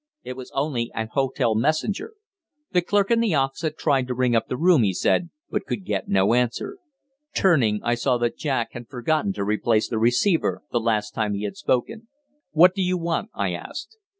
It was only an hotel messenger. The clerk in the office had tried to ring up the room, he said, but could get no answer. Turning, I saw that Jack had forgotten to replace the receiver the last time he had spoken. "What do you want?" I asked.